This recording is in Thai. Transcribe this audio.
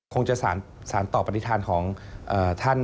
คงจะสารต่อปฏิฐานของท่าน